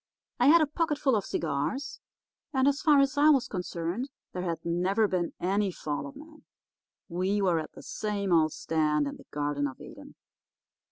I had a pocketful of cigars, and as far as I was concerned there had never been any fall of man. We were at the same old stand in the Garden of Eden.